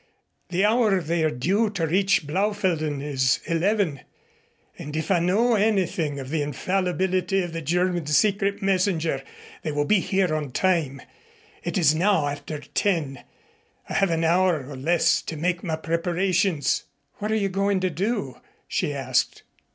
The hour they are due to reach Blaufelden is eleven, and if I know anything of the infallibility of the German secret messenger, they will be here on time. It is now after ten. I have an hour or less to make my preparations." "What are you going to do?" she asked.